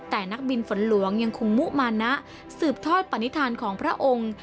แต่นักบินฝนหลวงยังคงมุมานะสืบทอดปณิธานของพระองค์